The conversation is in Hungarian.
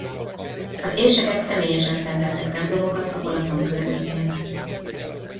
Az érsekek személyesen szenteltek templomokat a Balaton környékén.